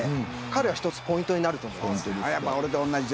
彼は１つポイントになる選手だと思います。